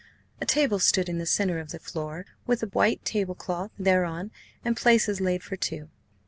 A table stood in the centre of the floor, with a white table cloth thereon and places laid for two.